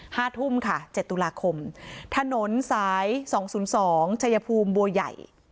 ห้าทุ่มค่ะเจ็ดตุลาคมถนนสายสองศูนย์สองชายภูมิบัวใหญ่